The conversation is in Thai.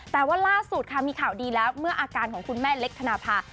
แต่ว่าล่าสุดค่ะมีข่าวดีแล้วเมื่ออาการของคุณแม่เล็กธนภา